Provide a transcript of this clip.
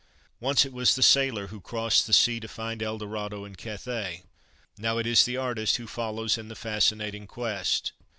Once it was the sailor who crossed the sea to find El Dorado and Cathay, now it is the artist who follows in the fascinating quest.